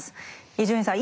伊集院さん